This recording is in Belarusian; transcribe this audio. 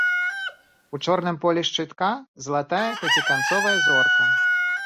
У чорным полі шчытка залатая пяціканцовая зорка.